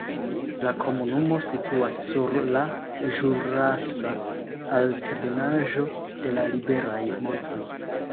La komunumo situas sur la ĵurasa altebenaĵo de la Liberaj Montoj.